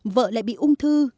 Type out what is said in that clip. vợ lại bị ung thư